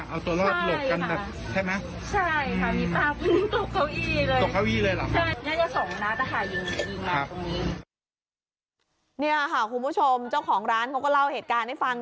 นี่ค่ะคุณผู้ชมเจ้าของร้านเขาก็เล่าเหตุการณ์ให้ฟัง